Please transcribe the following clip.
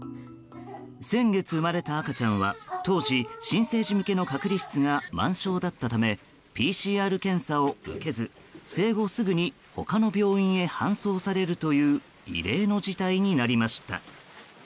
先月、生まれた赤ちゃんは当時、新生児向けの隔離室が満床だったためＰＣＲ検査を受けず、生後すぐに他の病院へ搬送されるという異例の事態になりました。